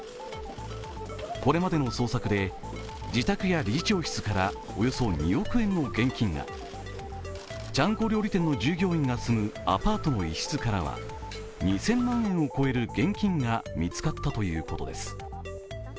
これまでの捜索で自宅や理事長室からおよそ２億円の現金が、ちゃんこ料理店の従業員が住むアパートの一室からは２０００万円を超える現金が見つかったということです。